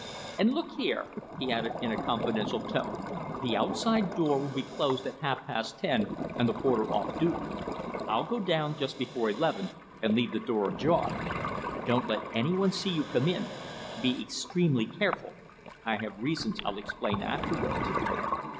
"And look here," he added in a confidential tone, "the outside door will be closed at half past ten and the porter off duty. I'll go down just before eleven and leave the door ajar. Don't let anyone see you come in. Be extremely careful. I have reasons I'll explain afterwards."